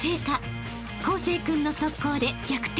［康成君の速攻で逆転］